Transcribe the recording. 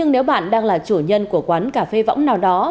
nếu bạn đang là chủ nhân của quán cà phê võng nào đó